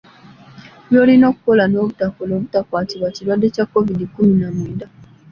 By’olina okukola n’obutakola obutakwatibwa kirwadde kya Kovidi kkumi na mwenda.